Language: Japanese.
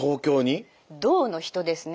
「動」の人ですね